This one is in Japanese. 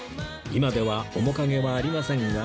今では面影はありませんが